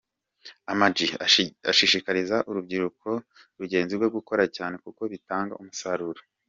AmaG ashishikariza urubyiruko rugenzi rwe gukora cyane kuko bitanga umusaruro.